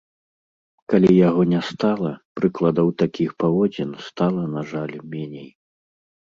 Калі яго не стала, прыкладаў такіх паводзін стала, на жаль, меней.